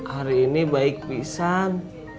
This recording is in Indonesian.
hari ini baik pisan